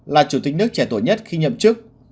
là chủ tịch nước trẻ tuổi nhất khi nhậm chức